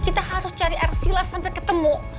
kita harus cari airsila sampai ketemu